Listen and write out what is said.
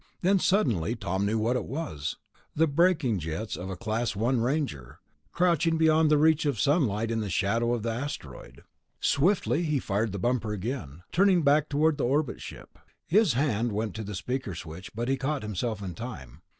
Then suddenly Tom knew what it was ... the braking jets of a Class I Ranger, crouching beyond the reach of sunlight in the shadow of the asteroid.... Swiftly he fired the bumper again, turning back toward the orbit ship. His hand went to the speaker switch, but he caught himself in time.